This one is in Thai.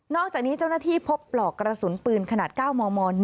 อกจากนี้เจ้าหน้าที่พบปลอกกระสุนปืนขนาด๙มม๑